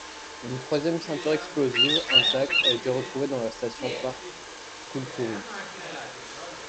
Une troisième ceinture explosive, intacte, a été retrouvée dans la station Park Koultoury.